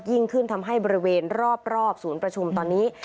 ยิ่งขึ้นทำให้บริเวณรอบศูนย์ประชุมตอนนี้